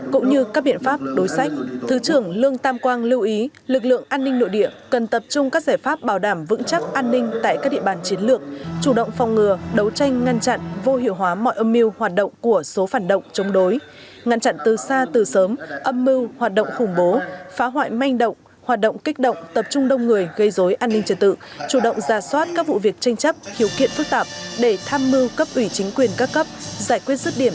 cũng như các biện pháp đối sách thứ trưởng lương tam quang lưu ý lực lượng an ninh nội địa cần tập trung các giải pháp bảo đảm vững chắc an ninh tại các địa bàn chiến lược chủ động phòng ngừa đấu tranh ngăn chặn vô hiệu hóa mọi âm mưu hoạt động của số phản động chống đối ngăn chặn từ xa từ sớm âm mưu hoạt động khủng bố phá hoại manh động hoạt động kích động tập trung đông người gây dối an ninh trật tự chủ động ra soát các vụ việc tranh chấp hiếu kiện phức tạp để tham mưu cấp ủy chính quyền ca cấp giải